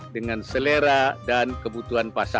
dengan selera dan kebutuhan pasar